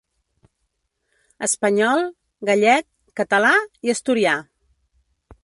Espanyol, gallec, català i asturià.